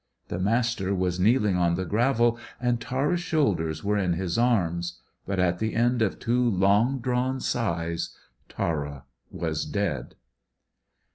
The Master was kneeling on the gravel, and Tara's shoulders were in his arms; but at the end of two long drawn sighs, Tara was dead.